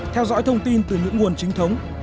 theo dõi thông tin từ những nguồn chính thống